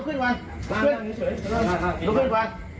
ครับ